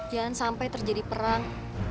jangan sampai terjadi perang